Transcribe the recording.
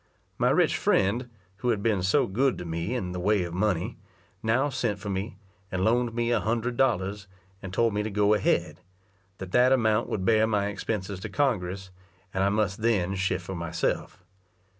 My rich friend, who had been so good to me in the way of money, now sent for me, and loaned me a hundred dollars, and told me to go ahead; that that amount would bear my expenses to Congress, and I must then shift for myself.